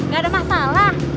gak ada masalah